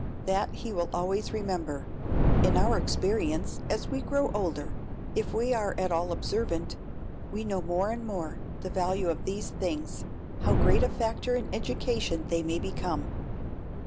That he will always remember. In our experience, as we grow older, if we are at all observant, we know more and more the value of these things how great a factor in education they may become!